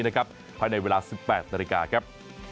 ภายในเวลา๑๘นาฬิกาครับ